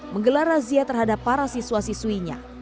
menggelar razia terhadap para siswa siswinya